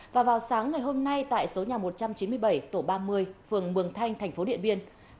và vào sáng ngày hôm nay tại số nhà một trăm chín mươi bảy tổ ba mươi phường mường thanh thành phố điện biên